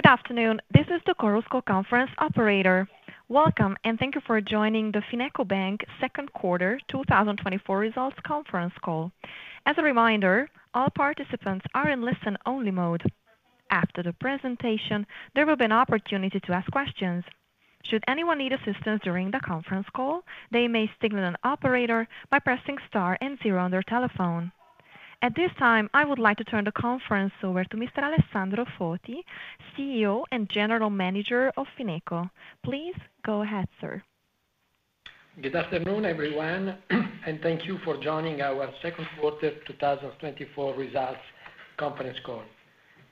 Good afternoon, this is the Chorus Call conference operator. Welcome, and thank you for joining the FinecoBank Second Quarter 2024 Results Conference Call. As a reminder, all participants are in listen-only mode. After the presentation, there will be an opportunity to ask questions. Should anyone need assistance during the conference call, they may signal an operator by pressing star and zero on their telephone. At this time, I would like to turn the conference over to Mr. Alessandro Foti, CEO and General Manager of Fineco. Please go ahead, sir. Good afternoon, everyone, and thank you for joining our second quarter 2024 results conference call.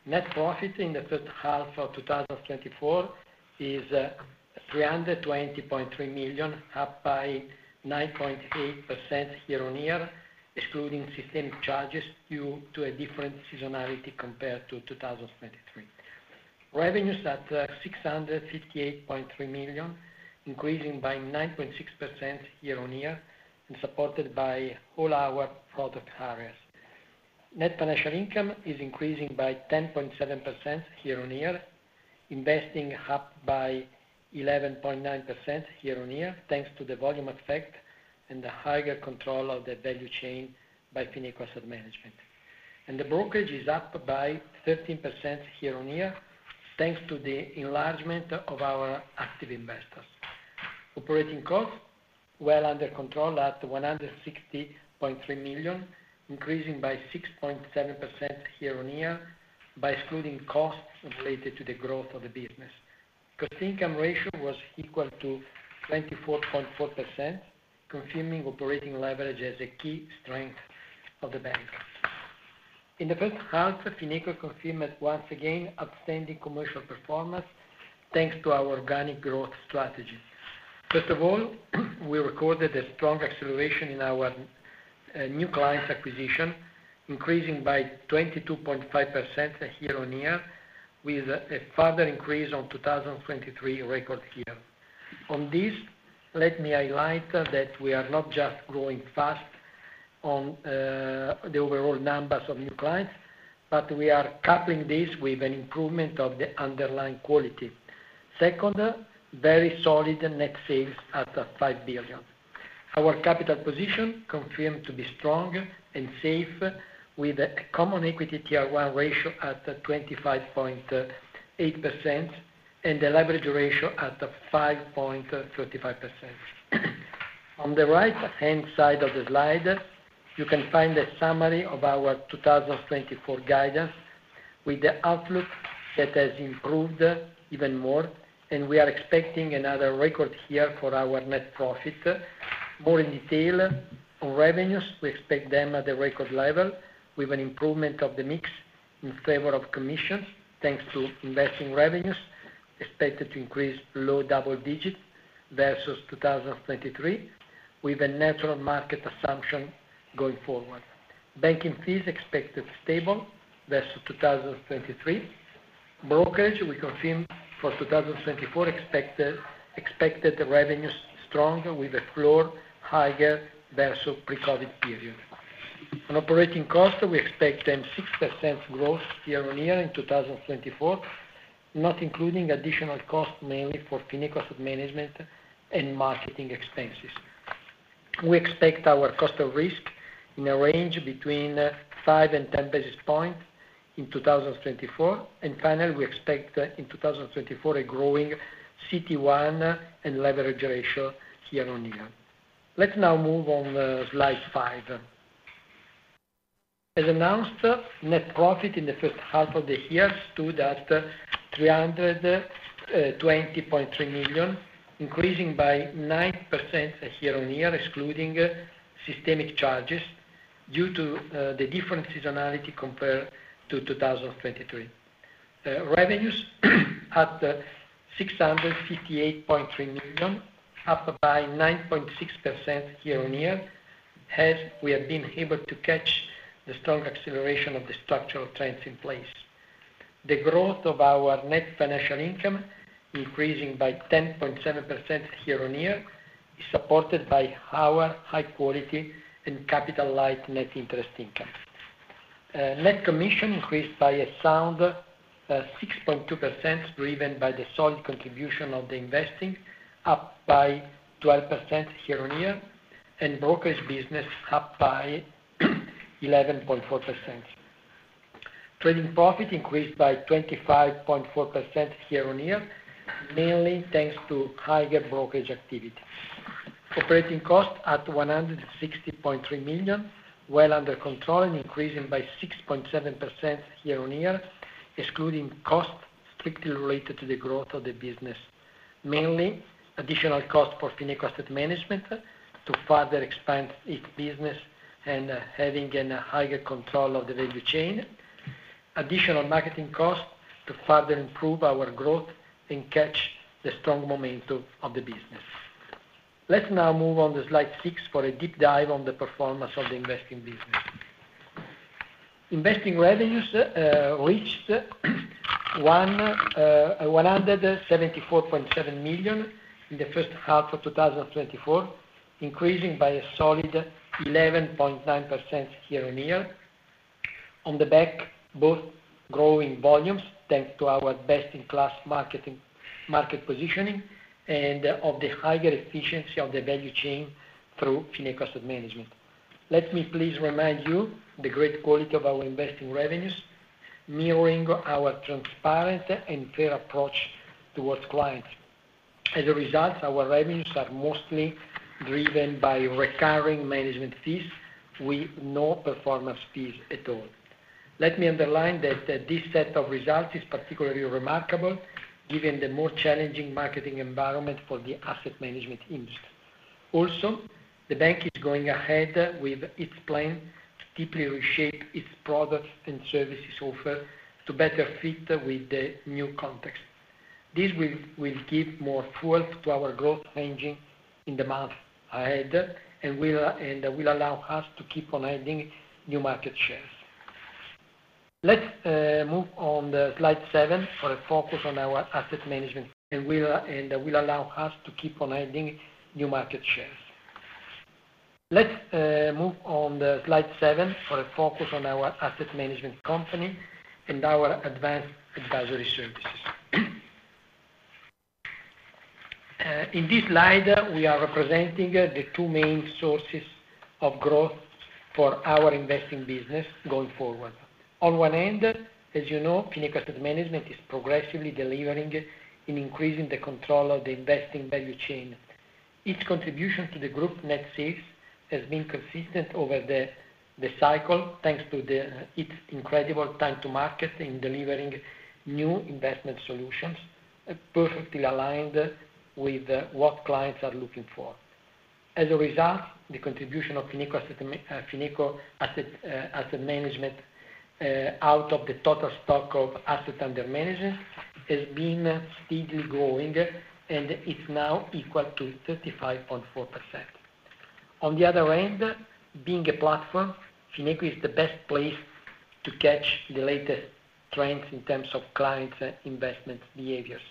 Net profit in the first half of 2024 is 320.3 million, up by 9.8% year-on-year, excluding systemic charges due to a different seasonality compared to 2023. Revenues at 658.3 million, increasing by 9.6% year-on-year, and supported by all our product areas. Net financial income is increasing by 10.7% year-on-year, investing up by 11.9% year-on-year, thanks to the volume effect and the higher control of the value chain by Fineco Asset Management. And the brokerage is up by 13% year-on-year, thanks to the enlargement of our active investors. Operating costs are well under control at 160.3 million, increasing by 6.7% year-on-year by excluding costs related to the growth of the business. Cost-to-income ratio was equal to 24.4%, confirming operating leverage as a key strength of the bank. In the first half, Fineco confirmed once again outstanding commercial performance, thanks to our organic growth strategy. First of all, we recorded a strong acceleration in our new clients' acquisition, increasing by 22.5% year-on-year, with a further increase on 2023 record year. On this, let me highlight that we are not just growing fast on the overall numbers of new clients, but we are coupling this with an improvement of the underlying quality. Second, very solid net sales at 5 billion. Our capital position confirmed to be strong and safe, with a Common Equity Tier 1 ratio at 25.8% and a leverage ratio at 5.35%. On the right-hand side of the slide, you can find a summary of our 2024 guidance, with the outlook that has improved even more, and we are expecting another record year for our net profit. More in detail, on revenues, we expect them at the record level, with an improvement of the mix in favor of commissions, thanks to investing revenues expected to increase below double digits versus 2023, with a natural market assumption going forward. Banking fees are expected to be stable versus 2023. Brokerage, we confirm for 2024 expected revenues strong, with a floor higher versus pre-COVID period. On operating costs, we expect a 6% growth year-on-year in 2024, not including additional costs, mainly for Fineco Asset Management and marketing expenses. We expect our cost of risk in a range between 5 and 10 basis points in 2024. And finally, we expect in 2024 a growing CET1 and leverage ratio year-on-year. Let's now move on to slide 5. As announced, net profit in the first half of the year stood at 320.3 million, increasing by 9% year-on-year, excluding systemic charges due to the different seasonality compared to 2023. Revenues at 658.3 million, up by 9.6% year-on-year, as we have been able to catch the strong acceleration of the structural trends in place. The growth of our net financial income, increasing by 10.7% year-on-year, is supported by our high-quality and capital-light net interest income. Net commission increased by a sound 6.2%, driven by the solid contribution of the investing, up by 12% year-on-year, and brokerage business up by 11.4%. Trading profit increased by 25.4% year-on-year, mainly thanks to higher brokerage activity. Operating costs at 160.3 million, well under control and increasing by 6.7% year-on-year, excluding costs strictly related to the growth of the business, mainly additional costs for Fineco Asset Management to further expand its business and having a higher control of the value chain. Additional marketing costs to further improve our growth and catch the strong momentum of the business. Let's now move on to slide 6 for a deep dive on the performance of the investing business. Investing revenues reached 174.7 million in the first half of 2024, increasing by a solid 11.9% year-on-year, on the back of both growing volumes, thanks to our best-in-class market positioning and of the higher efficiency of the value chain through Fineco Asset Management. Let me please remind you of the great quality of our investing revenues, mirroring our transparent and fair approach towards clients. As a result, our revenues are mostly driven by recurring management fees with no performance fees at all. Let me underline that this set of results is particularly remarkable, given the more challenging marketing environment for the asset management industry. Also, the bank is going ahead with its plan to deeply reshape its products and services offer to better fit with the new context. This will give more fuel to our growth engine in the months ahead and will allow us to keep on adding new market shares. Let's move on to slide 7 for a focus on our asset management. And will allow us to keep on adding new market shares. Let's move on to slide 7 for a focus on our asset management company and our advanced advisory services. In this slide, we are representing the two main sources of growth for our investing business going forward. On one end, as you know, Fineco Asset Management is progressively delivering and increasing the control of the investing value chain. Its contribution to the group net sales has been consistent over the cycle, thanks to its incredible time to market in delivering new investment solutions, perfectly aligned with what clients are looking for. As a result, the contribution of Fineco Asset Management out of the total stock of assets under management has been steadily growing, and it's now equal to 35.4%. On the other end, being a platform, Fineco is the best place to catch the latest trends in terms of clients' investment behaviors.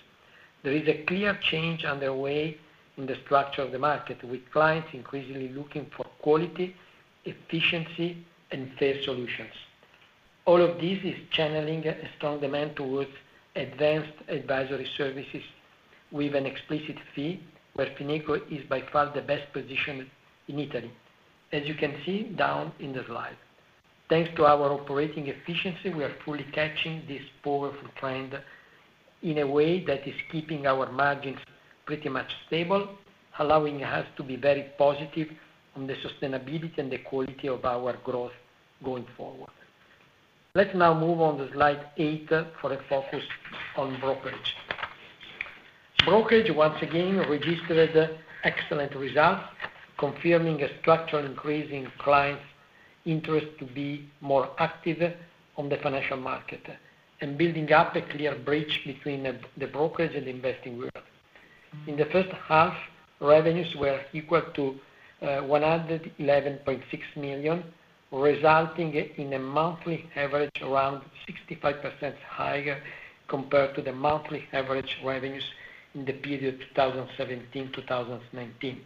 There is a clear change underway in the structure of the market, with clients increasingly looking for quality, efficiency, and fair solutions. All of this is channeling a strong demand towards advanced advisory services with an explicit fee, where Fineco is by far the best position in Italy, as you can see down in the slide. Thanks to our operating efficiency, we are fully catching this powerful trend in a way that is keeping our margins pretty much stable, allowing us to be very positive on the sustainability and the quality of our growth going forward. Let's now move on to slide 8 for a focus on brokerage. Brokerage, once again, registered excellent results, confirming a structural increase in clients' interest to be more active on the financial market and building up a clear bridge between the brokerage and the investing world. In the first half, revenues were equal to 111.6 million, resulting in a monthly average around 65% higher compared to the monthly average revenues in the period 2017-2019,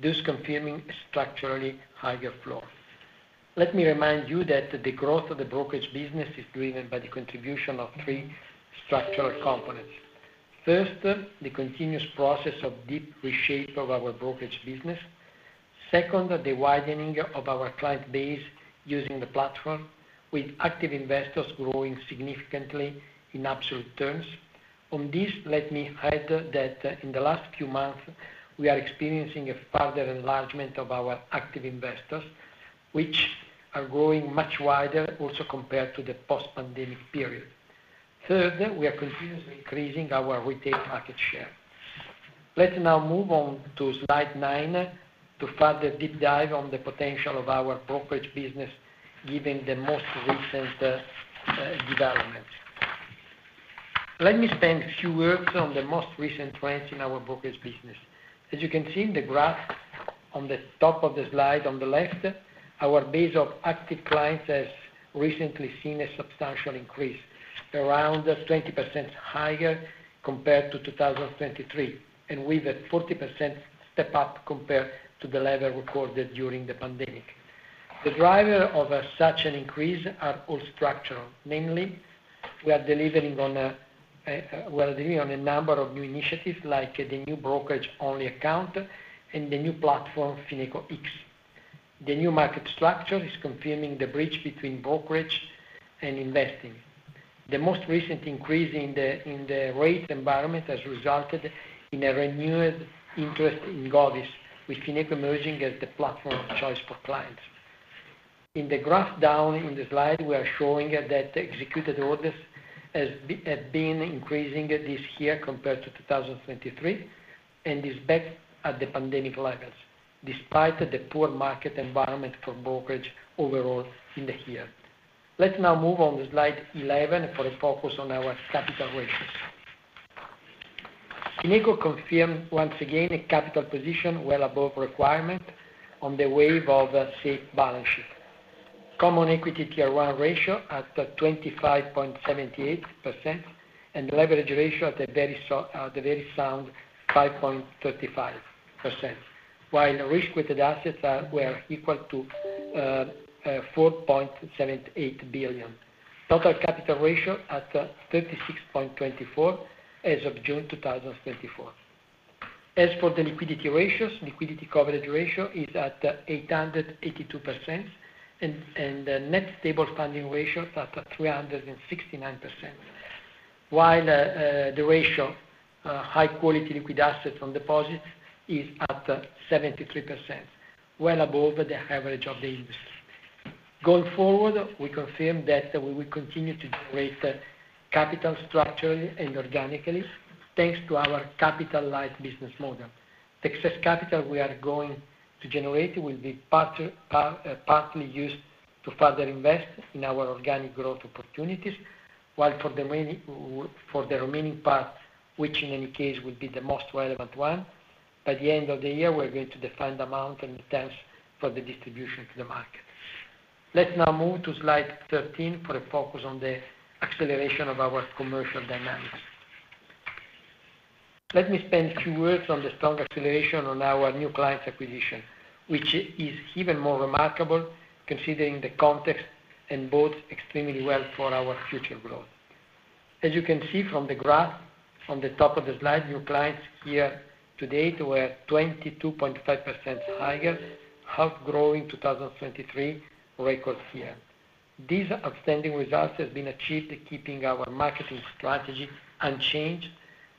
thus confirming a structurally higher floor. Let me remind you that the growth of the brokerage business is driven by the contribution of three structural components. First, the continuous process of deep reshape of our brokerage business. Second, the widening of our client base using the platform, with active investors growing significantly in absolute terms. On this, let me add that in the last few months, we are experiencing a further enlargement of our active investors, which are growing much wider also compared to the post-pandemic period. Third, we are continuously increasing our retail market share. Let's now move on to slide 9 to further deep dive on the potential of our brokerage business, given the most recent developments. Let me spend a few words on the most recent trends in our brokerage business. As you can see in the graph on the top of the slide on the left, our base of active clients has recently seen a substantial increase, around 20% higher compared to 2023, and with a 40% step-up compared to the level recorded during the pandemic. The driver of such an increase is all structural. Namely, we are delivering on a number of new initiatives like the new brokerage-only account and the new platform, FinecoX. The new market structure is confirming the bridge between brokerage and investing. The most recent increase in the rate environment has resulted in a renewed interest in Govies, with Fineco emerging as the platform of choice for clients. In the graph down in the slide, we are showing that executed orders have been increasing this year compared to 2023, and it's back at the pandemic levels, despite the poor market environment for brokerage overall in the year. Let's now move on to slide 11 for a focus on our capital ratios. Fineco confirmed once again a capital position well above requirement on the wave of safe balance sheet. Common Equity Tier 1 ratio at 25.78% and leverage ratio at a very sound 5.35%, while risk-weighted assets were equal to 4.78 billion. Total capital ratio at 36.24% as of June 2024. As for the liquidity ratios, Liquidity Coverage Ratio is at 882%, and Net Stable Funding Ratio is at 369%, while the ratio of high-quality liquid assets on deposits is at 73%, well above the average of the industry. Going forward, we confirm that we will continue to generate capital structurally and organically, thanks to our capital-light business model. The excess capital we are going to generate will be partly used to further invest in our organic growth opportunities, while for the remaining part, which in any case will be the most relevant one, by the end of the year, we're going to define the amount and the terms for the distribution to the market. Let's now move to slide 13 for a focus on the acceleration of our commercial dynamics. Let me spend a few words on the strong acceleration on our new clients' acquisition, which is even more remarkable considering the context and bodes extremely well for our future growth. As you can see from the graph on the top of the slide, new clients year to date were 22.5% higher, outgrowing 2023 record here. These outstanding results have been achieved, keeping our marketing strategy unchanged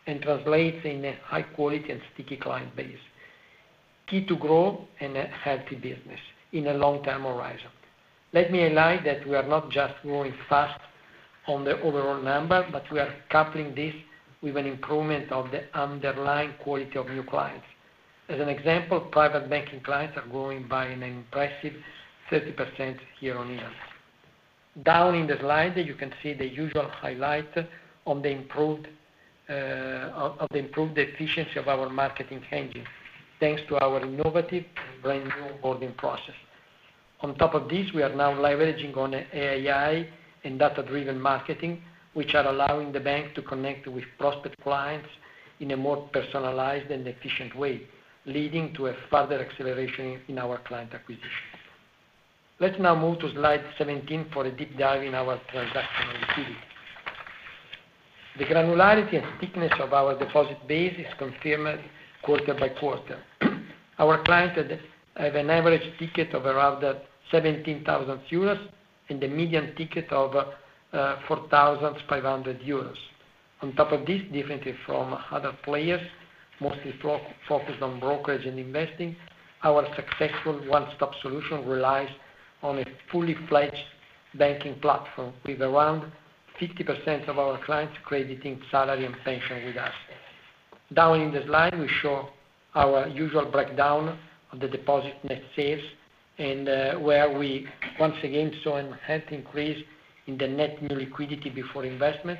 and translates in a high-quality and sticky client base. Key to grow and a healthy business in a long-term horizon. Let me highlight that we are not just growing fast on the overall number, but we are coupling this with an improvement of the underlying quality of new clients. As an example, private banking clients are growing by an impressive 30% year-on-year. Down in the slide, you can see the usual highlight of the improved efficiency of our marketing engine, thanks to our innovative brand new onboarding process. On top of this, we are now leveraging on AI and data-driven marketing, which are allowing the bank to connect with prospect clients in a more personalized and efficient way, leading to a further acceleration in our client acquisitions. Let's now move to slide 17 for a deep dive in our transactional liquidity. The granularity and thickness of our deposit base is confirmed quarter by quarter. Our clients have an average ticket of around 17,000 euros and a median ticket of 4,500 euros. On top of this, differently from other players, mostly focused on brokerage and investing, our successful one-stop solution relies on a fully-fledged banking platform with around 50% of our clients crediting salary and pension with us. Down in the slide, we show our usual breakdown of the deposit net sales, and where we once again saw an enhanced increase in the net new liquidity before investment.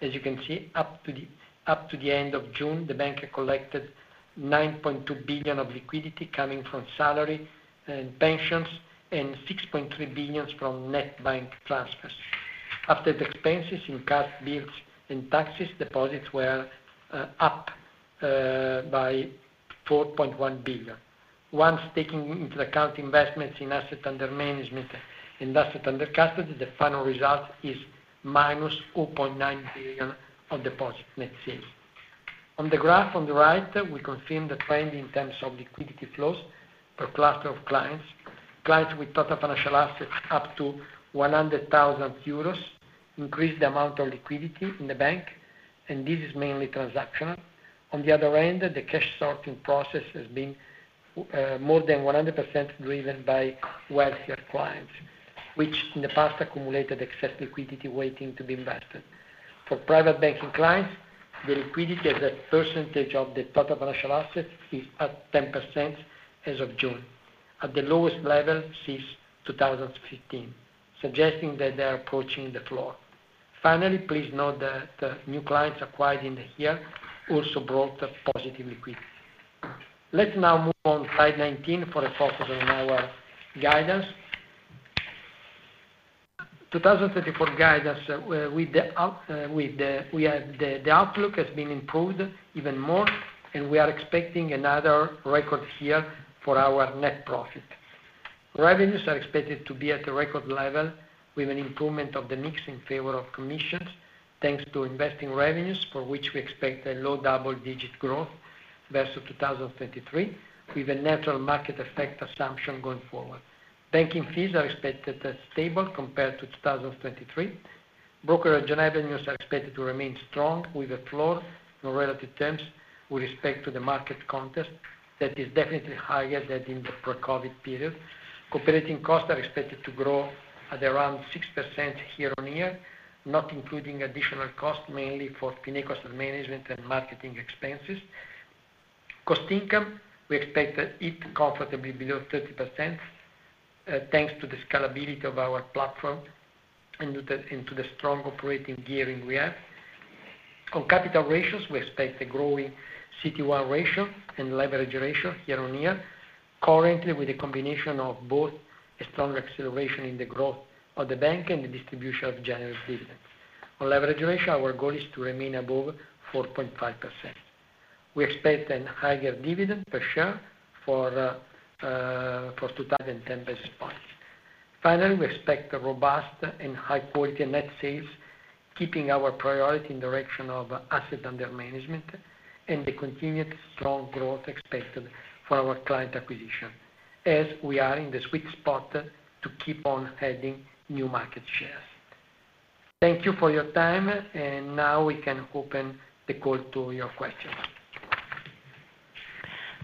As you can see, up to the end of June, the bank collected 9.2 billion of liquidity coming from salary and pensions and 6.3 billion from net bank transfers. After the expenses in cash, bills, and taxes, deposits were up by 4.1 billion. Once taking into account investments in Asset under management and Asset under custody, the final result is minus 2.9 billion of deposit net sales. On the graph on the right, we confirm the trend in terms of liquidity flows per cluster of clients. Clients with total financial assets up to 100,000 euros increased the amount of liquidity in the bank, and this is mainly transactional. On the other end, the cash sorting process has been more than 100% driven by wealthier clients, which in the past accumulated excess liquidity waiting to be invested. For private banking clients, the liquidity as a percentage of the total financial assets is at 10% as of June, at the lowest level since 2015, suggesting that they are approaching the floor. Finally, please note that new clients acquired in the year also brought positive liquidity. Let's now move on to slide 19 for a focus on our guidance. 2024 guidance, we have the outlook has been improved even more, and we are expecting another record here for our net profit. Revenues are expected to be at a record level with an improvement of the mix in favor of commissions, thanks to investing revenues, for which we expect a low double-digit growth versus 2023, with a natural market effect assumption going forward. Banking fees are expected to stable compared to 2023. Brokerage revenues are expected to remain strong with a floor on relative terms with respect to the market context that is definitely higher than in the pre-COVID period. Operating costs are expected to grow at around 6% year-on-year, not including additional costs, mainly for Fineco Asset Management and marketing expenses. Cost-to-income, we expect to be comfortably below 30%, thanks to the scalability of our platform and to the strong operating gearing we have. On capital ratios, we expect a growing CET1 ratio and leverage ratio year-on-year, currently with a combination of both a strong acceleration in the growth of the bank and the distribution of general dividends. On leverage ratio, our goal is to remain above 4.5%. We expect a higher dividend per share for 2024. Finally, we expect robust and high-quality net sales, keeping our priority in the direction of asset under management and the continued strong growth expected for our client acquisition, as we are in the sweet spot to keep on adding new market shares. Thank you for your time, and now we can open the call to your questions.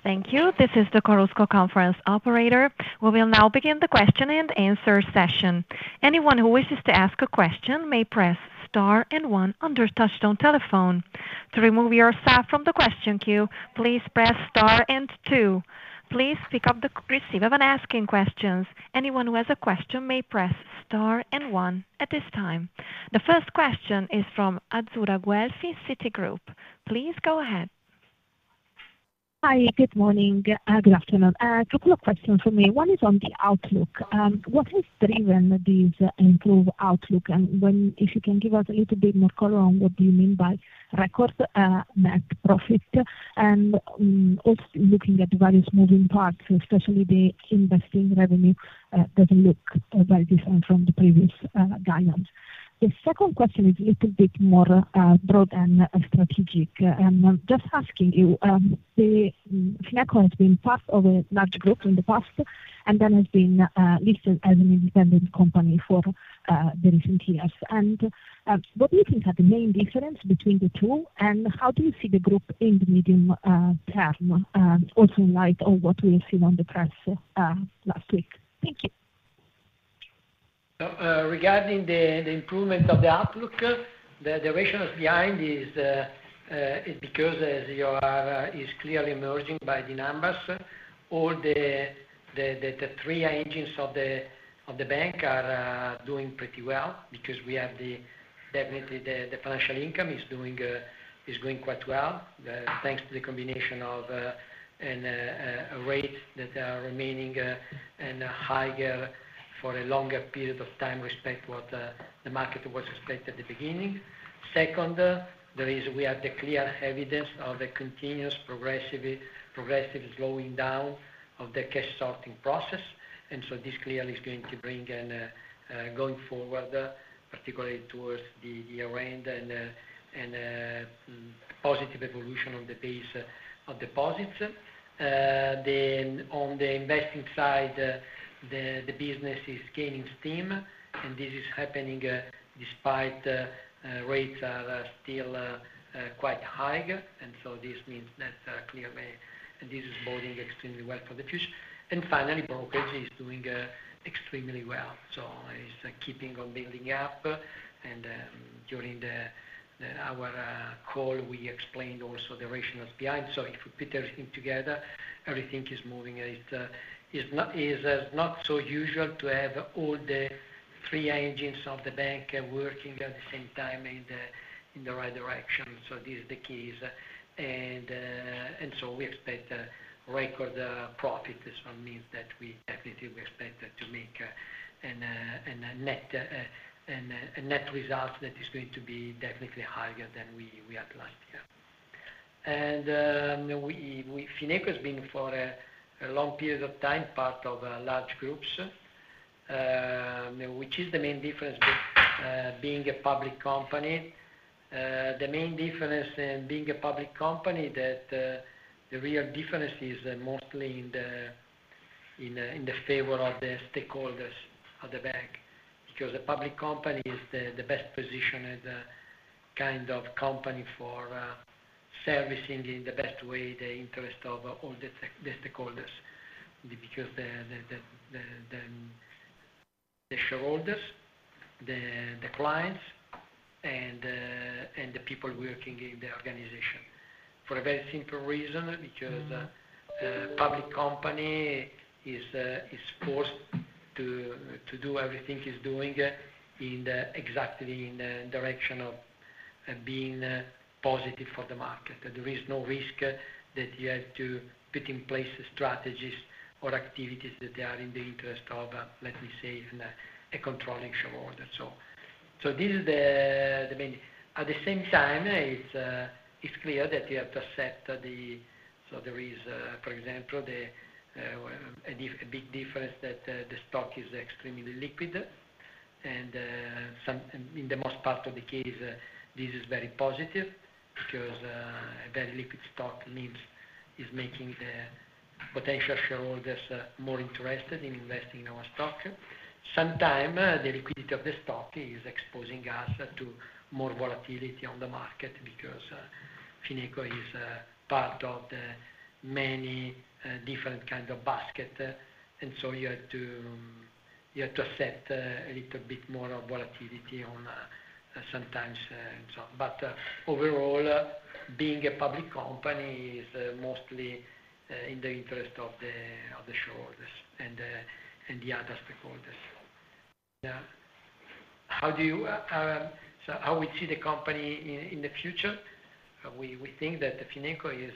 Thank you. This is the Chorus Call Conference Operator. We will now begin the question-and-answer session. Anyone who wishes to ask a question may press star and one under touch-tone telephone. To remove yourself from the question queue, please press star and two. Please pick up the receiver when asking questions. Anyone who has a question may press star and one at this time. The first question is from Azzurra Guelfi of Citigroup. Please go ahead. Hi, good morning. Good afternoon. A couple of questions for me. One is on the outlook. What has driven this improved outlook? And if you can give us a little bit more color on what do you mean by record net profit and also looking at various moving parts, especially the investing revenue doesn't look very different from the previous guidance. The second question is a little bit more broad and strategic. And just asking you, Fineco has been part of a large group in the past and then has been listed as an independent company for the recent years. And what do you think are the main differences between the two, and how do you see the group in the medium term, also in light of what we have seen on the press last week? Thank you. Regarding the improvement of the outlook, the rationale behind is because, as you are, is clearly emerging by the numbers. All the three engines of the bank are doing pretty well because we have definitely the financial income is doing quite well, thanks to the combination of a rate that are remaining and higher for a longer period of time respect to what the market was expected at the beginning. Second, there is we have the clear evidence of the continuous progressive slowing down of the cash sorting process. And so this clearly is going to bring going forward, particularly towards the year-end, and a positive evolution on the base of deposits. Then on the investing side, the business is gaining steam, and this is happening despite rates are still quite high. And so this means that clearly this is boding extremely well for the future. And finally, brokerage is doing extremely well. So it's keeping on building up. And during our call, we explained also the rationales behind. So if we put everything together, everything is moving. It is not so usual to have all the three engines of the bank working at the same time in the right direction. So this is the key. And so we expect record profit. This one means that we definitely expect to make a net result that is going to be definitely higher than we had last year. Fineco has been for a long period of time part of large groups, which is the main difference being a public company. The main difference in being a public company is that the real difference is mostly in the favor of the stakeholders of the bank because a public company is the best positioned kind of company for servicing in the best way the interest of all the stakeholders because the shareholders, the clients, and the people working in the organization. For a very simple reason, because a public company is forced to do everything it's doing exactly in the direction of being positive for the market. There is no risk that you have to put in place strategies or activities that are in the interest of, let me say, a controlling shareholder. So this is the main. At the same time, it's clear that you have to accept the. So there is, for example, a big difference that the stock is extremely liquid. And in the most part of the case, this is very positive because a very liquid stock is making the potential shareholders more interested in investing in our stock. Sometimes the liquidity of the stock is exposing us to more volatility on the market because Fineco is part of the many different kinds of basket. And so you have to accept a little bit more volatility sometimes. But overall, being a public company is mostly in the interest of the shareholders and the other stakeholders. How do we see the company in the future? We think that Fineco is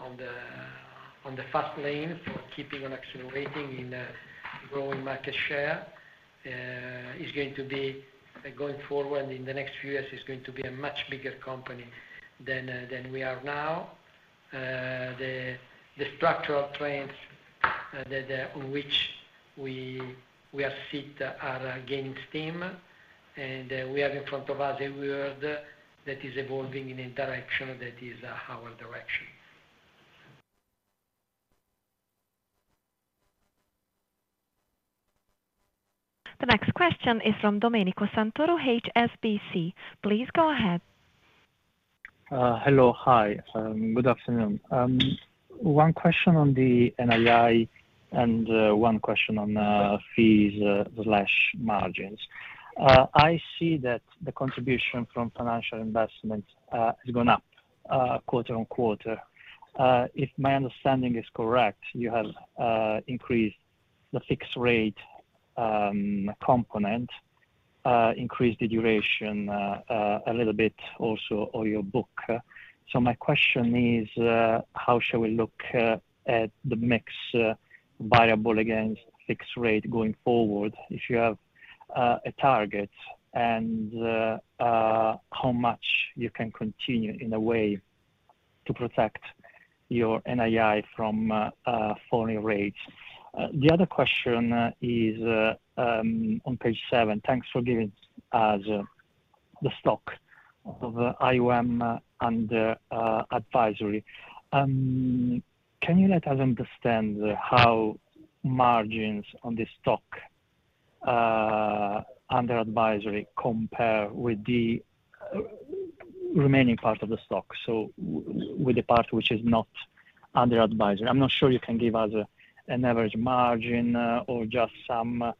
on the fast lane for keeping on accelerating in growing market share. It's going to be going forward in the next few years, it's going to be a much bigger company than we are now. The structural trends on which we are seated are gaining steam, and we have in front of us a world that is evolving in a direction that is our direction. The next question is from Domenico Santoro, HSBC. Please go ahead. Hello. Hi. Good afternoon. One question on the NII and one question on fees/margins. I see that the contribution from financial investment has gone up quarter-over-quarter. If my understanding is correct, you have increased the fixed rate component, increased the duration a little bit also of your book. My question is, how shall we look at the mix variable fixed rate going forward if you have a target and how much you can continue in a way to protect your NII from falling rates? The other question is on page seven. Thanks for giving us the stock of AUM under advisory. Can you let us understand how margins on the stock under advisory compare with the remaining part of the stock, so with the part which is not under advisory? I'm not sure you can give us an average margin or just some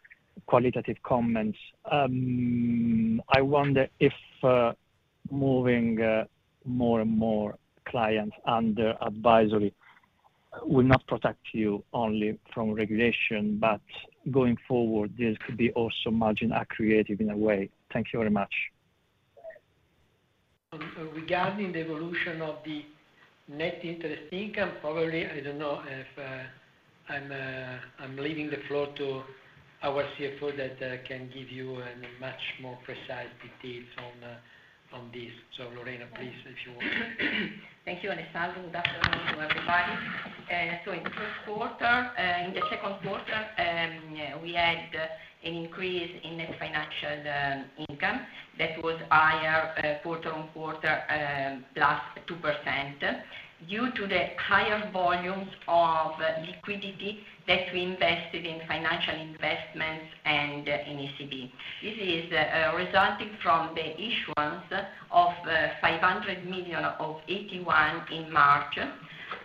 qualitative comments. I wonder if moving more and more clients under advisory will not protect you only from regulation, but going forward, this could be also margin accretive in a way. Thank you very much. Regarding the evolution of the net interest income, probably I don't know if I'm leaving the floor to our CFO that can give you much more precise details on this. So, Lorena, please, if you want. Thank you, Alessandro. Good afternoon to everybody. So in the first quarter, in the second quarter, we had an increase in net financial income that was higher quarter-on-quarter +2% due to the higher volumes of liquidity that we invested in financial investments and in ECB. This is resulting from the issuance of 500 million of AT1 in March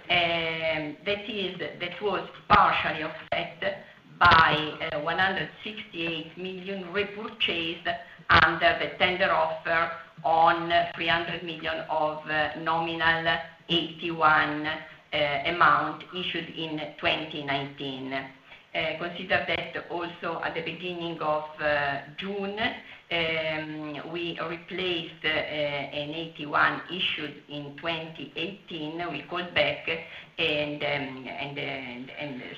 that was partially affected by 168 million repurchased under the tender offer on 300 million of nominal AT1 amount issued in 2019. Consider that also at the beginning of June, we replaced an AT1 issued in 2018. We called back, and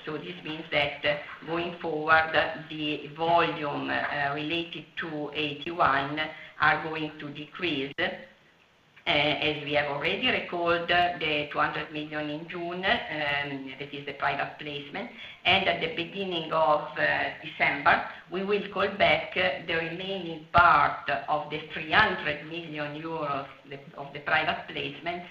so this means that going forward, the volume related to AT1 are going to decrease. As we have already recalled, the 200 million in June, that is the private placement. And at the beginning of December, we will call back the remaining part of the 300 million euros of the private placement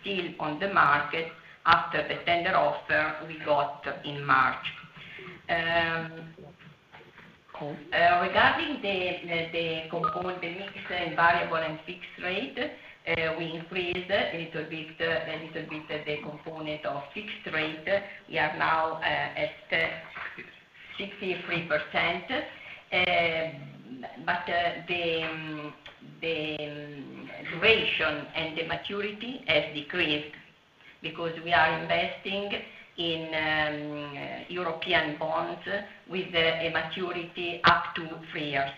still on the market after the tender offer we got in March. Regarding the mixed variable and fixed rate, we increased a little bit the component of fixed rate. We are now at 63%. But the duration and the maturity has decreased because we are investing in European bonds with a maturity up to 3 years.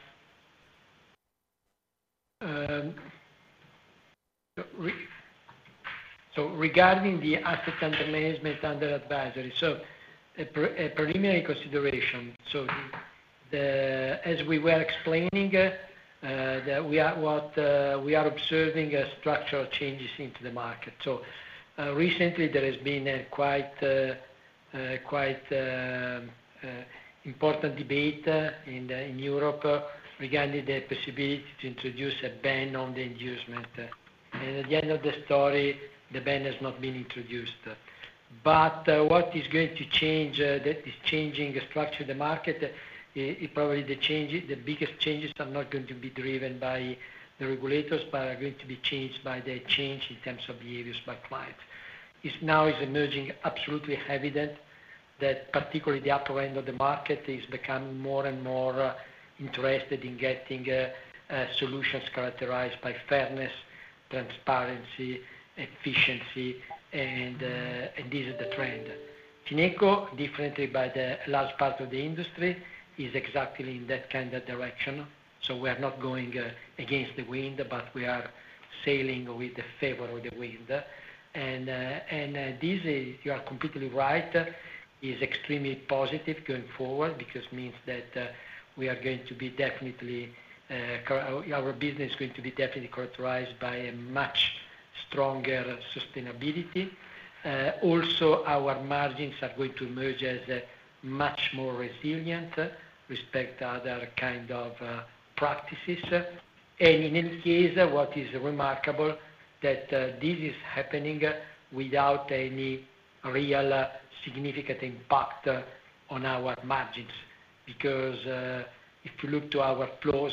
So regarding the asset under management under advisory, so preliminary consideration. So as we were explaining, we are observing structural changes into the market. Recently, there has been a quite important debate in Europe regarding the possibility to introduce a ban on the inducement. At the end of the story, the ban has not been introduced. What is going to change that is changing the structure of the market, probably the biggest changes are not going to be driven by the regulators, but are going to be changed by the change in terms of behaviors by clients. Now it's emerging absolutely evident that particularly the upper end of the market is becoming more and more interested in getting solutions characterized by fairness, transparency, efficiency, and this is the trend. Fineco, differently by the large part of the industry, is exactly in that kind of direction. We are not going against the wind, but we are sailing with the favor of the wind. This, you are completely right, is extremely positive going forward because it means that we are going to be definitely our business is going to be definitely characterized by a much stronger sustainability. Also, our margins are going to emerge as much more resilient respect to other kinds of practices. In any case, what is remarkable is that this is happening without any real significant impact on our margins because if you look to our flows,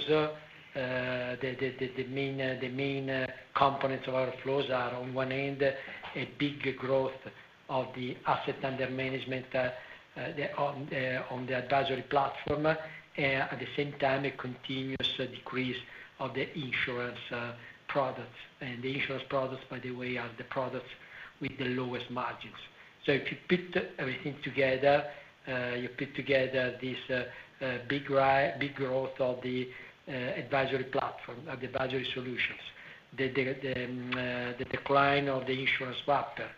the main components of our flows are on one end a big growth of the asset under management on the advisory platform, and at the same time, a continuous decrease of the insurance products. The insurance products, by the way, are the products with the lowest margins. So if you put everything together, you put together this big growth of the advisory platform, of the advisory solutions, the decline of the insurance wrapper,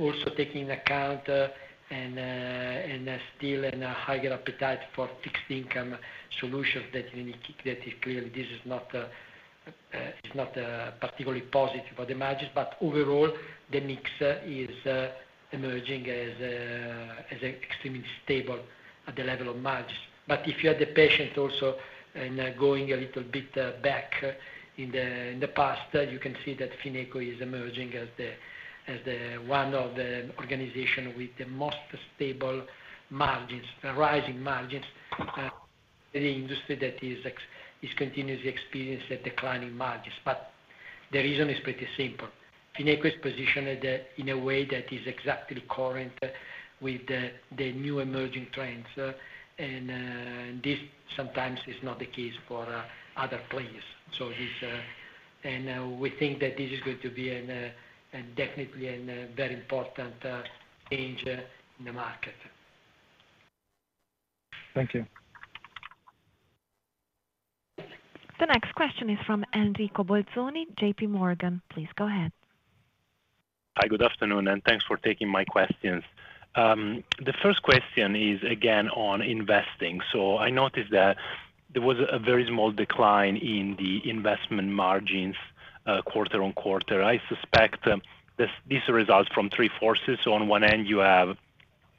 also taking into account and still a higher appetite for fixed income solutions that is clearly this is not particularly positive for the margins. But overall, the mix is emerging as extremely stable at the level of margins. But if you have the patience also in going a little bit back in the past, you can see that Fineco is emerging as one of the organizations with the most stable margins, rising margins in the industry that is continuously experiencing declining margins. But the reason is pretty simple. Fineco is positioned in a way that is exactly current with the new emerging trends. And this sometimes is not the case for other players. And we think that this is going to be definitely a very important change in the market. Thank you. The next question is from Enrico Bolzoni, JPMorgan. Please go ahead. Hi, good afternoon, and thanks for taking my questions. The first question is again on investing. So I noticed that there was a very small decline in the investment margins quarter on quarter. I suspect this results from three forces. So on one end, you have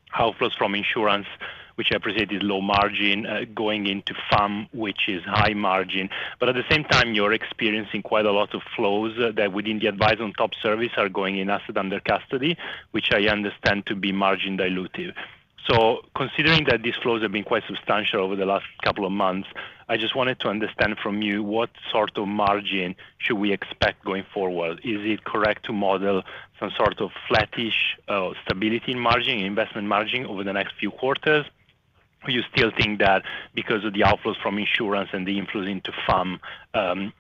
households from insurance, which I appreciate is low margin, going into FAM, which is high margin. But at the same time, you're experiencing quite a lot of flows that within the advisory and Top Service are going in asset under custody, which I understand to be margin dilutive. So considering that these flows have been quite substantial over the last couple of months, I just wanted to understand from you what sort of margin should we expect going forward? Is it correct to model some sort of flattish stability in margin, investment margin over the next few quarters? Do you still think that because of the outflows from insurance and the inflows into FAM,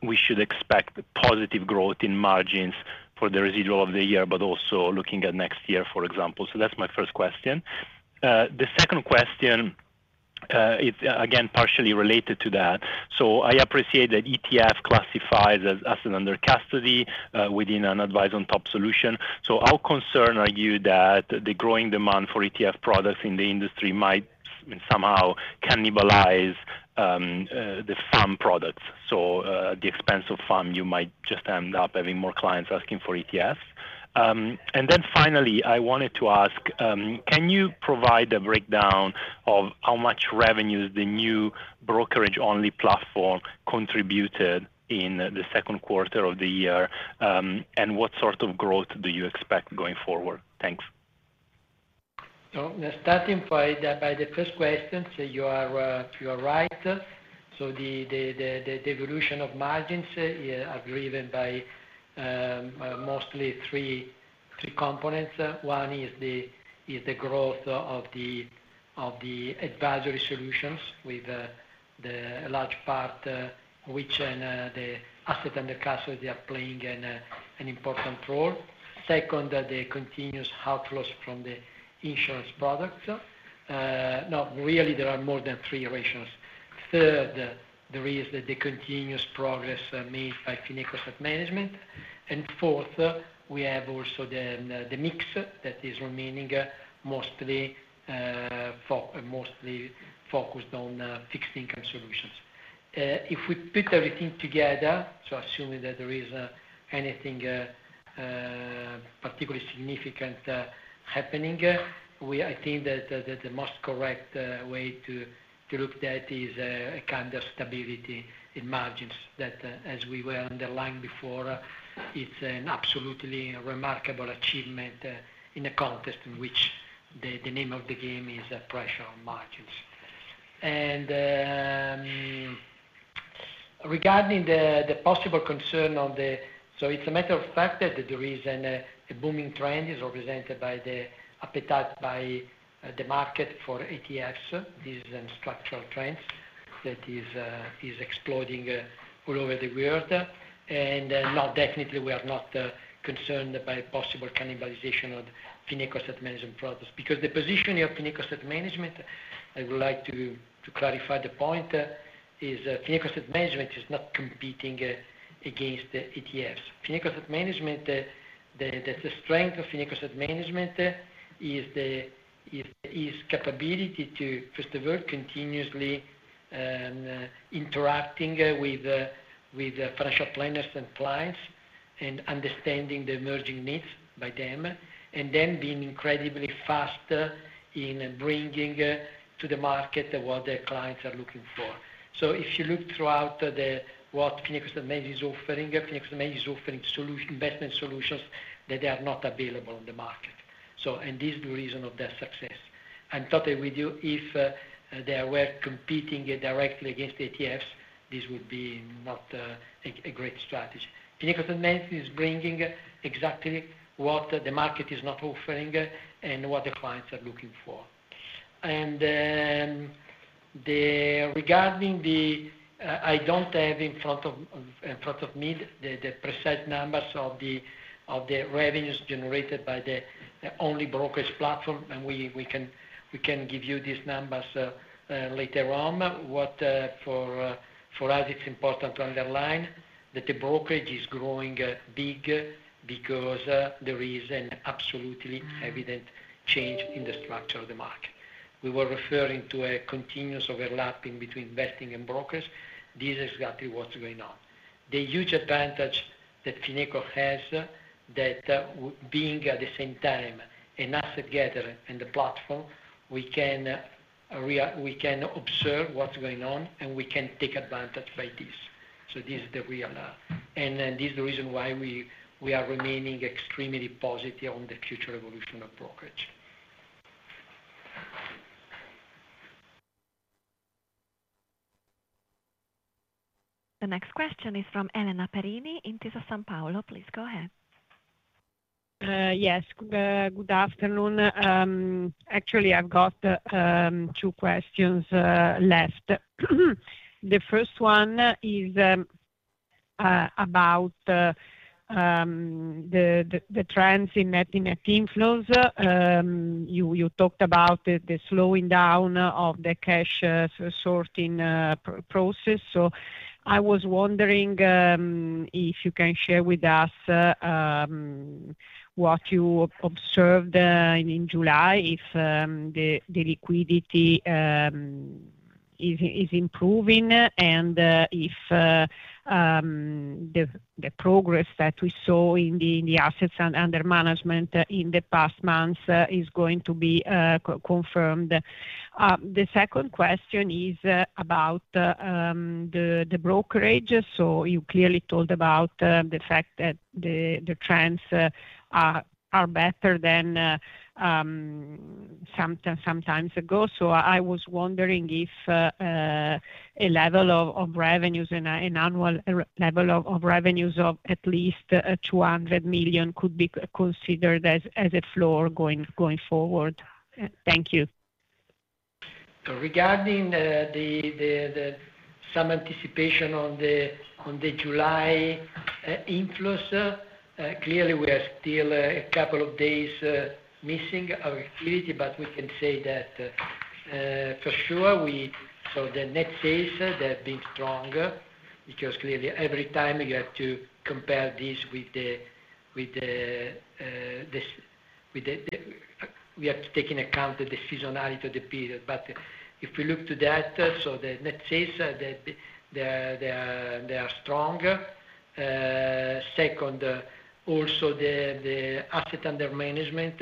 we should expect positive growth in margins for the residual of the year, but also looking at next year, for example? So that's my first question. The second question is again partially related to that. So I appreciate that ETF classifies as asset under custody within an advisory and top solution. So how concerned are you that the growing demand for ETF products in the industry might somehow cannibalize the FAM products? So at the expense of FAM, you might just end up having more clients asking for ETFs. And then finally, I wanted to ask, can you provide a breakdown of how much revenues the new brokerage-only platform contributed in the second quarter of the year, and what sort of growth do you expect going forward? Thanks. So starting by the first question, you are right. So the evolution of margins is driven by mostly three components. One is the growth of the advisory solutions with the large part which the asset under custody are playing an important role. Second, the continuous outflows from the insurance products. No, really, there are more than three reasons. Third, there is the continuous progress made by Fineco Asset Management. And fourth, we have also the mix that is remaining mostly focused on fixed income solutions. If we put everything together, so assuming that there is anything particularly significant happening, I think that the most correct way to look at that is a kind of stability in margins that, as we were underlining before, it's an absolutely remarkable achievement in a context in which the name of the game is pressure on margins. And regarding the possible concern of the so it's a matter of fact that there is a booming trend represented by the appetite by the market for ETFs. This is a structural trend that is exploding all over the world. And no, definitely, we are not concerned by possible cannibalization of Fineco Asset Management products because the position of Fineco Asset Management, I would like to clarify the point, is Fineco Asset Management is not competing against ETFs. Fineco Asset Management, the strength of Fineco Asset Management is the capability to, first of all, continuously interact with financial planners and clients and understanding the emerging needs by them, and then being incredibly fast in bringing to the market what their clients are looking for. So if you look throughout what Fineco Asset Management is offering, Fineco Asset Management is offering investment solutions that are not available on the market. And this is the reason of their success. I'm totally with you. If they were competing directly against ETFs, this would be not a great strategy. Fineco Asset Management is bringing exactly what the market is not offering and what the clients are looking for. And regarding the I don't have in front of me the precise numbers of the revenues generated by the only brokerage platform, and we can give you these numbers later on. But for us, it's important to underline that the brokerage is growing big because there is an absolutely evident change in the structure of the market. We were referring to a continuous overlapping between investing and brokers. This is exactly what's going on. The huge advantage that Fineco has that being at the same time an asset gatherer and a platform, we can observe what's going on, and we can take advantage by this. So this is the real. And this is the reason why we are remaining extremely positive on the future evolution of brokerage. The next question is from Elena Perini, Intesa Sanpaolo. Please go ahead. Yes. Good afternoon. Actually, I've got two questions left. The first one is about the trends in net inflows. You talked about the slowing down of the cash sorting process. So I was wondering if you can share with us what you observed in July, if the liquidity is improving, and if the progress that we saw in the assets under management in the past months is going to be confirmed. The second question is about the brokerage. So you clearly talked about the fact that the trends are better than some time ago. So I was wondering if a level of revenues and annual level of revenues of at least 200 million could be considered as a floor going forward. Thank you. So regarding some anticipation on the July inflows, clearly, we are still a couple of days missing our activity, but we can say that for sure, we so the net sales have been strong because clearly, every time you have to compare this with the, we have to take into account the seasonality of the period. But if we look to that, so the net sales are strong. Second, also the asset under management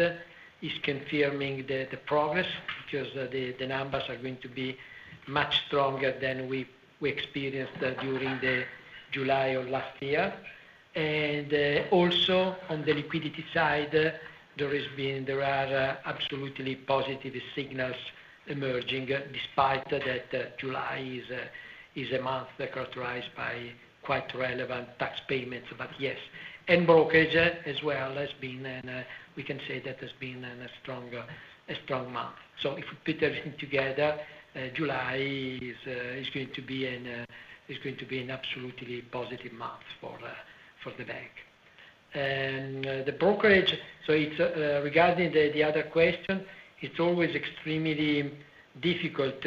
is confirming the progress because the numbers are going to be much stronger than we experienced during July of last year. Also, on the liquidity side, there are absolutely positive signals emerging despite that July is a month characterized by quite relevant tax payments. But yes, and brokerage as well has been an we can say that has been a strong month. So if we put everything together, July is going to be an absolutely positive month for the bank. And the brokerage so regarding the other question, it's always extremely difficult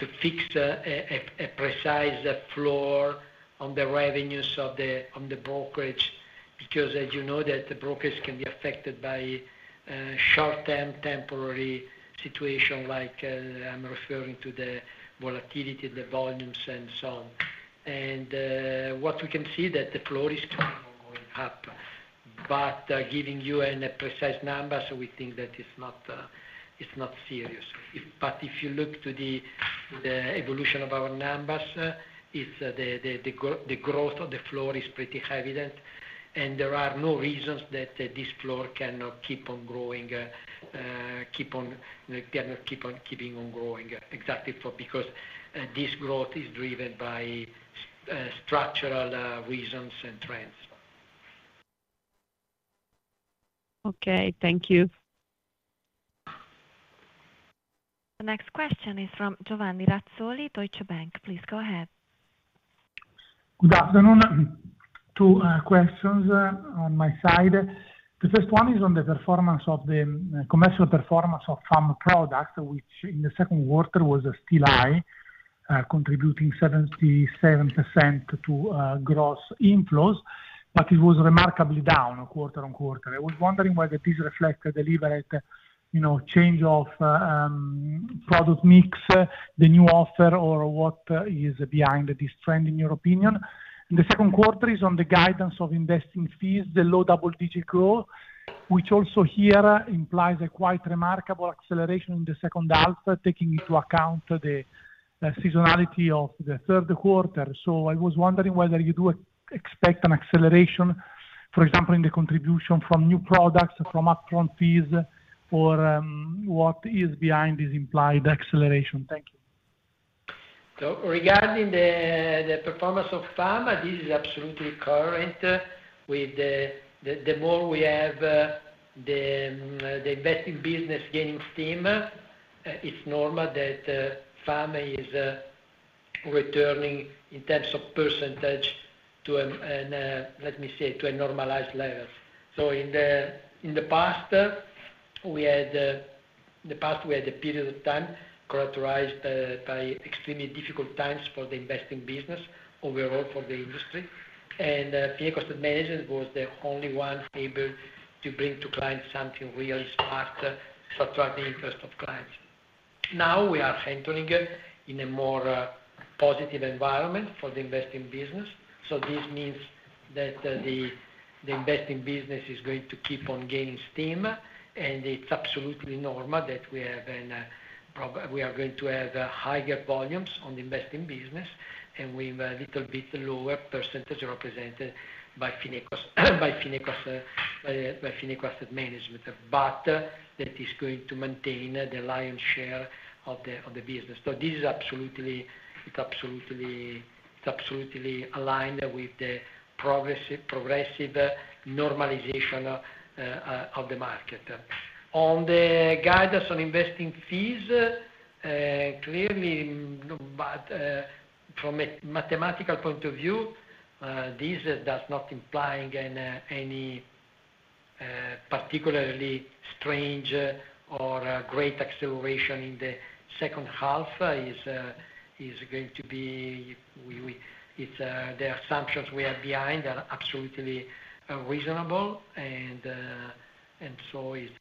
to fix a precise floor on the revenues of the brokerage because as you know, the brokerage can be affected by short-term temporary situations like I'm referring to the volatility, the volumes, and so on. What we can see is that the floor is going up. But giving you a precise number, so we think that it's not serious. But if you look to the evolution of our numbers, the growth of the floor is pretty evident. And there are no reasons that this floor cannot keep on growing, cannot keep on keeping on growing exactly because this growth is driven by structural reasons and trends. Okay. Thank you. The next question is from Giovanni Razzoli, Deutsche Bank. Please go ahead. Good afternoon. Two questions on my side. The first one is on the performance of the commercial performance of FAM products, which in the second quarter was still high, contributing 77% to gross inflows, but it was remarkably down quarter-over-quarter. I was wondering whether this reflects the deliberate change of product mix, the new offer, or what is behind this trend in your opinion. The second question is on the guidance of investing fees, the low double-digit growth, which also here implies a quite remarkable acceleration in the second half, taking into account the seasonality of the third quarter. So I was wondering whether you do expect an acceleration, for example, in the contribution from new products, from upfront fees, or what is behind this implied acceleration. Thank you. So regarding the performance of FAM, this is absolutely correct. The more we have the investing business gaining steam, it's normal that FAM is returning in terms of percentage to, let me say, to a normalized level. So in the past, we had a period of time characterized by extremely difficult times for the investing business overall for the industry. Fineco Asset Management was the only one able to bring to clients something really smart to attract the interest of clients. Now we are entering in a more positive environment for the investing business. So this means that the investing business is going to keep on gaining steam, and it's absolutely normal that we are going to have higher volumes on the investing business, and we have a little bit lower percentage represented by Fineco Asset Management, but that is going to maintain the lion's share of the business. So this is absolutely aligned with the progressive normalization of the market. On the guidance on investing fees, clearly, from a mathematical point of view, this does not imply any particularly strange or great acceleration in the second half. It's going to be the assumptions we have behind are absolutely reasonable. And so it's,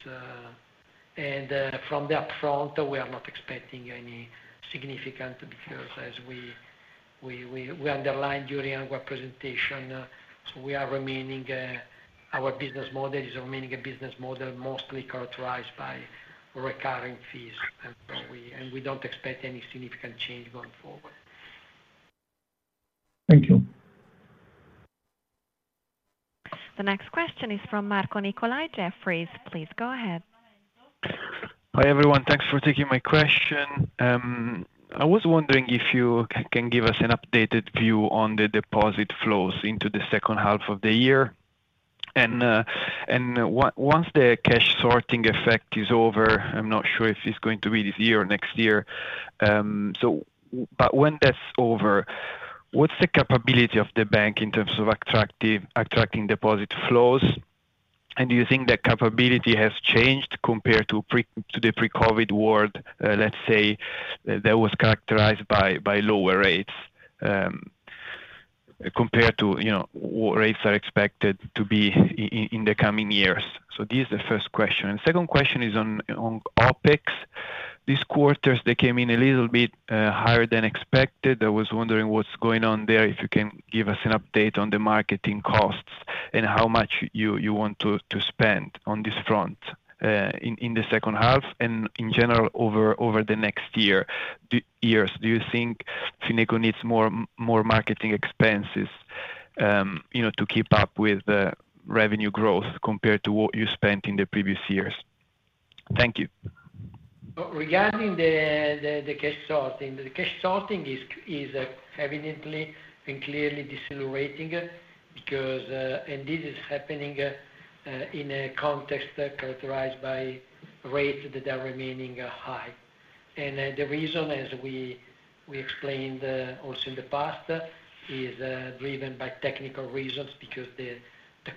and from the upfront, we are not expecting any significant because, as we underlined during our presentation, so we are remaining. Our business model is remaining a business model mostly characterized by recurring fees, and we don't expect any significant change going forward. Thank you. The next question is from Marco Nicolai, Jefferies. Please go ahead. Hi everyone. Thanks for taking my question. I was wondering if you can give us an updated view on the deposit flows into the second half of the year. And once the cash sorting effect is over, I'm not sure if it's going to be this year or next year. But when that's over, what's the capability of the bank in terms of attracting deposit flows? And do you think that capability has changed compared to the pre-COVID world, let's say, that was characterized by lower rates compared to what rates are expected to be in the coming years? So this is the first question. And the second question is on OpEx. This quarter, they came in a little bit higher than expected. I was wondering what's going on there, if you can give us an update on the marketing costs and how much you want to spend on this front in the second half and in general over the next years. Do you think Fineco needs more marketing expenses to keep up with revenue growth compared to what you spent in the previous years? Thank you. Regarding the cash sorting, the cash sorting is evidently and clearly decelerating because, and this is happening in a context characterized by rates that are remaining high. The reason, as we explained also in the past, is driven by technical reasons because the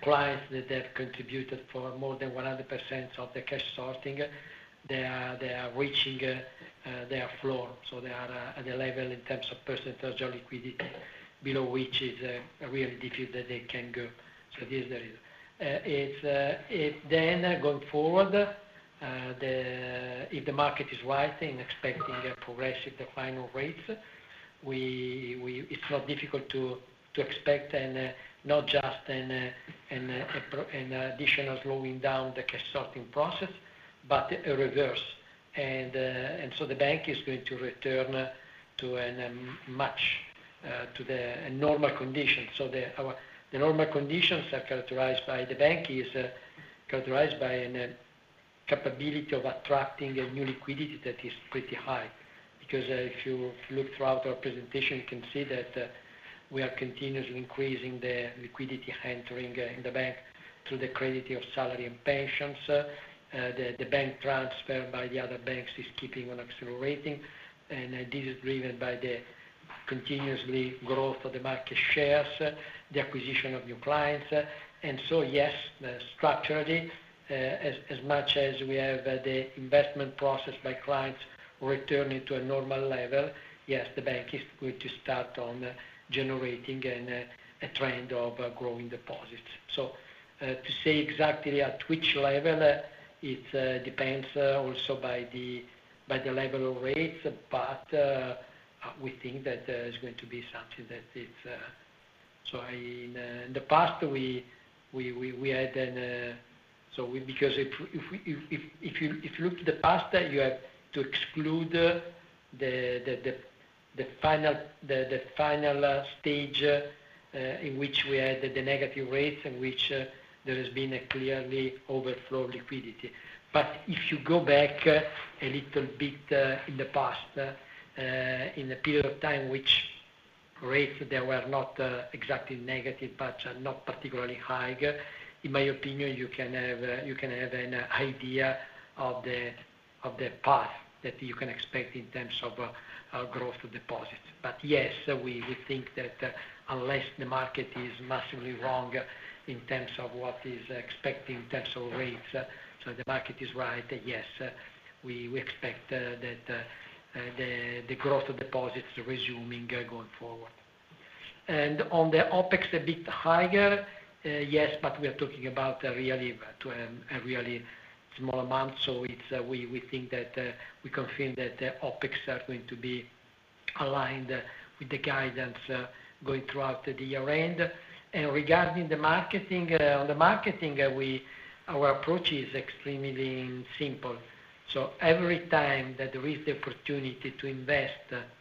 clients that have contributed for more than 100% of the cash sorting, they are reaching their floor. So they are at a level in terms of percentage of liquidity below which is really difficult that they can go. So this is the reason. Then going forward, if the market is rising and expecting progressive final rates, it's not difficult to expect not just an additional slowing down the cash sorting process, but reverse. And so the bank is going to return to a normal condition. So the normal conditions are characterized by a capability of attracting new liquidity that is pretty high. Because if you look throughout our presentation, you can see that we are continuously increasing the liquidity entering in the bank through the credit of salary and pensions. The bank transfer by the other banks is keeping on accelerating. And this is driven by the continuously growth of the market shares, the acquisition of new clients. And so yes, structurally, as much as we have the investment process by clients returning to a normal level, yes, the bank is going to start on generating a trend of growing deposits. So, to say exactly at which level, it depends also by the level of rates, but we think that there is going to be something that is so. In the past, we had a so because if you look to the past, you have to exclude the final stage in which we had the negative rates in which there has been a clear overflow of liquidity. But if you go back a little bit in the past, in the period of time which rates that were not exactly negative but not particularly high, in my opinion, you can have an idea of the path that you can expect in terms of growth of deposits. But yes, we think that unless the market is massively wrong in terms of what is expected in terms of rates, so the market is right, yes, we expect that the growth of deposits is resuming going forward. And on the OpEx, a bit higher, yes, but we are talking about really a really small amount. So we think that we confirm that OpEx are going to be aligned with the guidance going throughout the year-end. And regarding the marketing, our approach is extremely simple. So every time that there is the opportunity to invest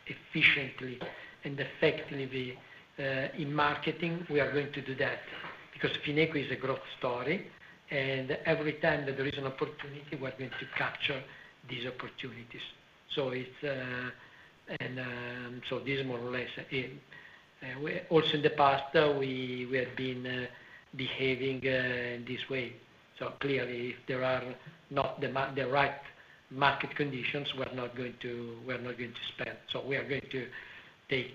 efficiently and effectively in marketing, we are going to do that because Fineco is a growth story. And every time that there is an opportunity, we are going to capture these opportunities. So this is more or less also in the past, we have been behaving in this way. So clearly, if there are not the right market conditions, we are not going to spend. So we are going to be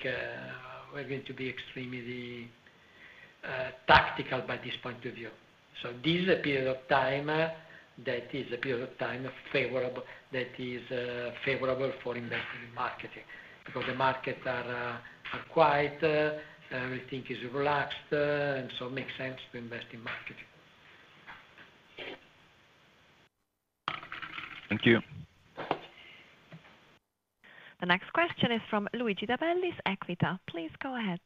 extremely tactical by this point of view. So this is a period of time that is favorable for investing in marketing because the markets are quiet, everything is relaxed, and so it makes sense to invest in marketing. Thank you. The next question is from Luigi De Bellis of Equita. Please go ahead.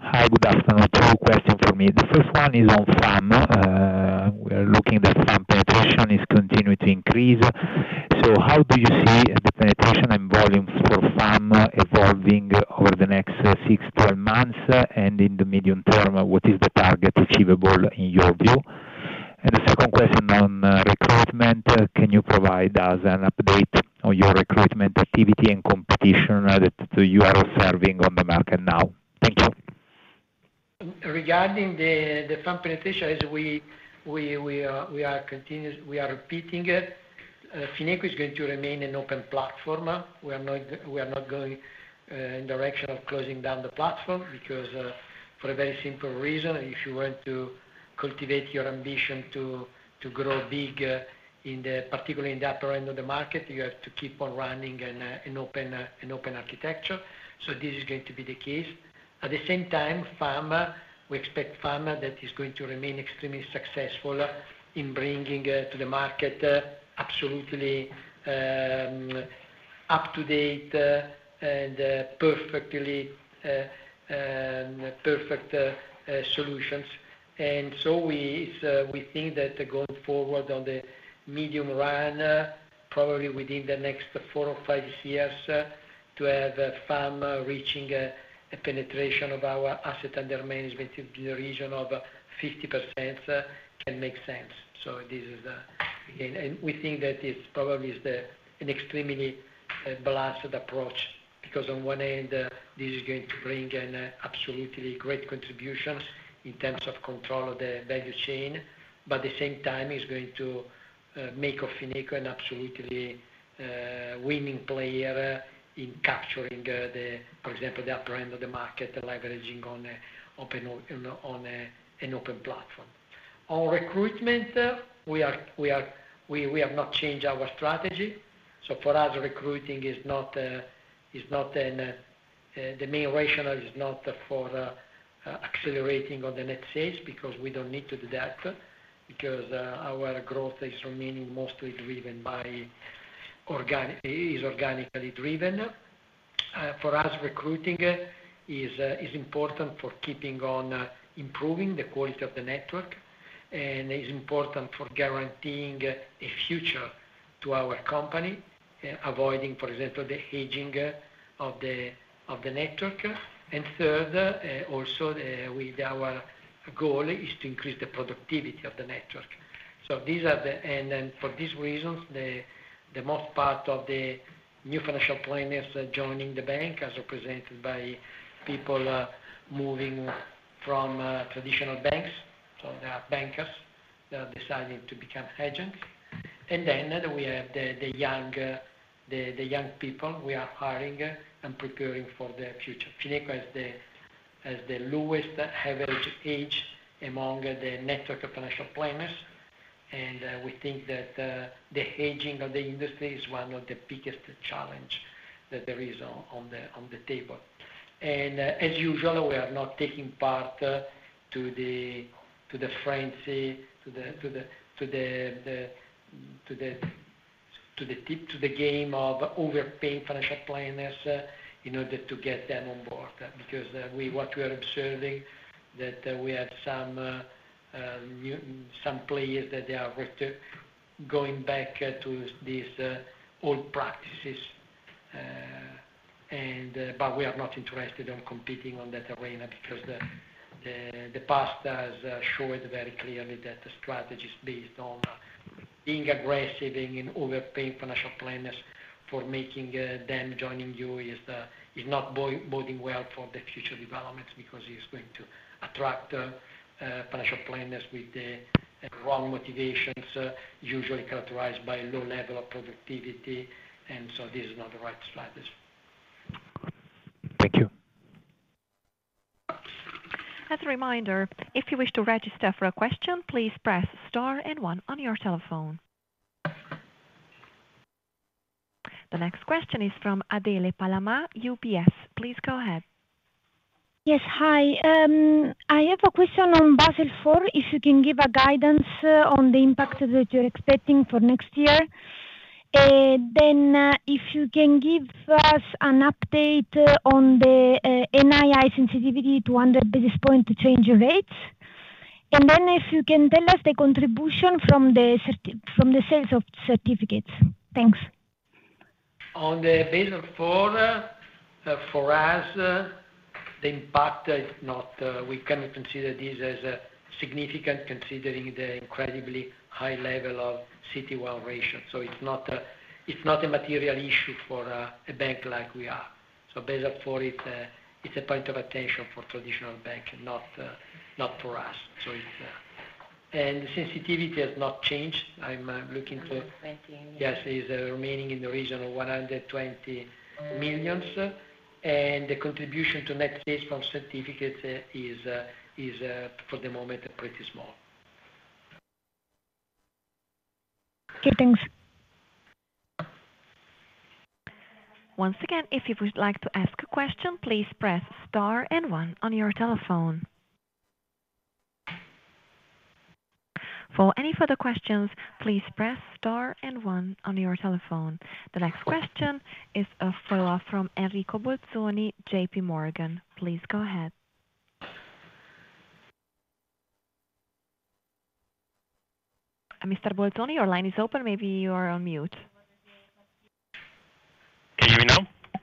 Hi, good afternoon. Two questions for me. The first one is on FAM. We see that FAM penetration is continuing to increase. So how do you see the penetration and volumes for FAM evolving over the next 6-12 months? And in the medium term, what is the target achievable in your view? The second question on recruitment, can you provide us an update on your recruitment activity and competition that you are observing on the market now? Thank you. Regarding the FAM penetration, as we are repeating, Fineco is going to remain an open platform. We are not going in the direction of closing down the platform because for a very simple reason, if you want to cultivate your ambition to grow big, particularly in the upper end of the market, you have to keep on running an open architecture. So this is going to be the case. At the same time, we expect FAM that is going to remain extremely successful in bringing to the market absolutely up-to-date and perfect solutions. So we think that going forward on the medium run, probably within the next 4 or 5 years, to have FAM reaching a penetration of our asset under management in the region of 50% can make sense. So this is again, and we think that it's probably an extremely balanced approach because on one end, this is going to bring an absolutely great contribution in terms of control of the value chain. But at the same time, it's going to make Fineco an absolutely winning player in capturing, for example, the upper end of the market, leveraging on an open platform. On recruitment, we have not changed our strategy. So for us, recruiting is not the main rationale for accelerating on the net sales because we don't need to do that because our growth is remaining mostly driven by organically driven. For us, recruiting is important for keeping on improving the quality of the network, and it's important for guaranteeing a future to our company, avoiding, for example, the aging of the network. And third, also, our goal is to increase the productivity of the network. So these are the reasons, and then for these reasons, the most part of the new financial planners joining the bank are represented by people moving from traditional banks. So there are bankers that are deciding to become agents. And then we have the young people we are hiring and preparing for the future. Fineco has the lowest average age among the network of financial planners, and we think that the aging of the industry is one of the biggest challenges that there is on the table. As usual, we are not taking part to the frenzy, to the game of overpaying financial planners in order to get them on board because what we are observing that we have some players that they are going back to these old practices. But we are not interested in competing on that arena because the past has showed very clearly that the strategy is based on being aggressive in overpaying financial planners for making them joining you is not boding well for the future developments because it's going to attract financial planners with the wrong motivations, usually characterized by low level of productivity. So this is not the right strategy. Thank you. As a reminder, if you wish to register for a question, please press star and one on your telephone. The next question is from Adele Palama, UBS. Please go ahead. Yes, hi. I have a question on Basel IV, if you can give a guidance on the impact that you're expecting for next year. And then if you can give us an update on the NII sensitivity to 100 basis points to change rates. And then if you can tell us the contribution from the sales of certificates. Thanks. On the Basel IV, for us, the impact is not we can consider this as significant considering the incredibly high level of CET1 ratio. So it's not a material issue for a bank like we are. So Basel IV, it's a point of attention for traditional banks, not for us. And the sensitivity has not changed. I'm looking to EUR 120 million. Yes, it is remaining in the region of 120 million. And the contribution to net sales from certificates is, for the moment, pretty small. Okay, thanks. Once again, if you would like to ask a question, please press star and one on your telephone. For any further questions, please press star and one on your telephone. The next question is a follow-up from Enrico Bolzoni, JPMorgan. Please go ahead. Mr. Bolzoni, your line is open. Maybe you are on mute. Can you hear me now?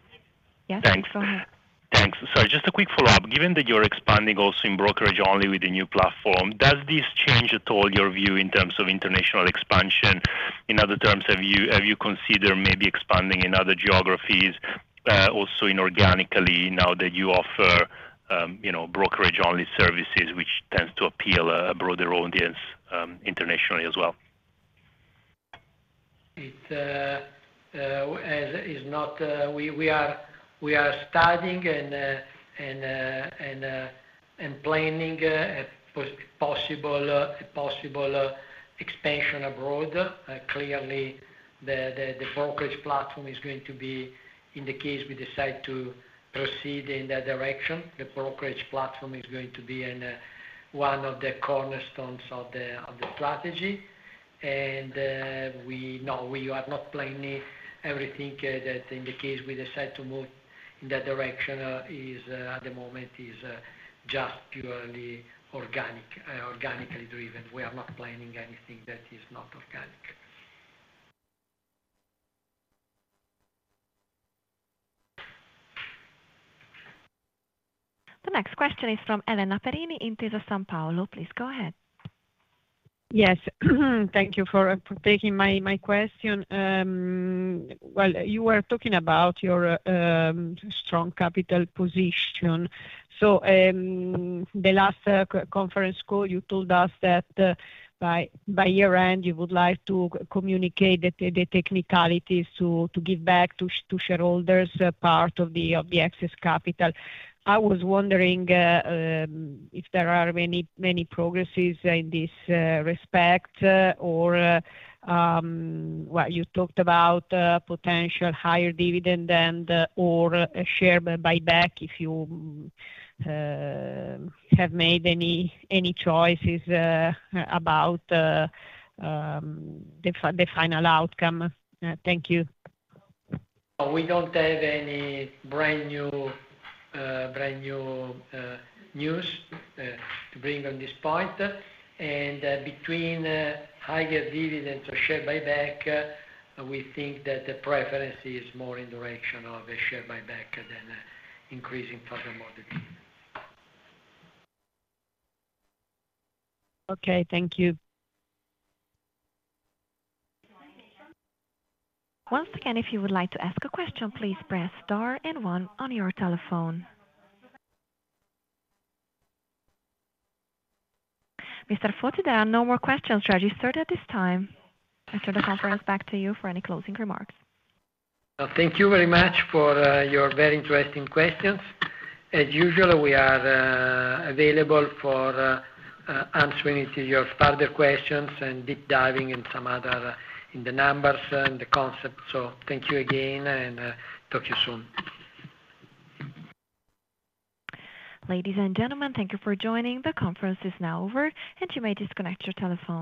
Yes. Thanks. Go ahead. Thanks. Sorry, just a quick follow-up. Given that you're expanding also in brokerage only with the new platform, does this change at all your view in terms of international expansion? In other terms, have you considered maybe expanding in other geographies, also organically, now that you offer brokerage-only services, which tends to appeal a broader audience internationally as well? It is not. We are studying and planning a possible expansion abroad. Clearly, the brokerage platform is going to be in the case we decide to proceed in that direction, the brokerage platform is going to be one of the cornerstones of the strategy. And no, we are not planning everything that in the case we decide to move in that direction, at the moment, is just purely organically driven. We are not planning anything that is not organic. The next question is from Elena Perini, Intesa Sanpaolo. Please go ahead. Yes. Thank you for taking my question. Well, you were talking about your strong capital position. So the last conference call, you told us that by year-end, you would like to communicate the technicalities to give back to shareholders part of the excess capital. I was wondering if there is much progress in this respect or what you talked about, potential higher dividend and/or share buyback, if you have made any choices about the final outcome. Thank you. We don't have any brand new news to bring on this point. Between higher dividends or share buyback, we think that the preference is more in the direction of a share buyback than increasing furthermore the dividends. Okay, thank you. Once again, if you would like to ask a question, please press star and one on your telephone. Mr. Foti, there are no more questions registered at this time. I turn the conference back to you for any closing remarks. Thank you very much for your very interesting questions. As usual, we are available for answering your further questions and deep diving in some other in the numbers and the concepts. So thank you again, and talk to you soon. Ladies and gentlemen, thank you for joining. The conference is now over, and you may disconnect your telephone.